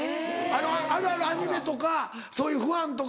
あるあるアニメとかそういうファンとか。